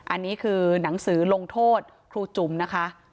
อันนี้คือหนังสือลงโทษครูจุ๋มนะคะ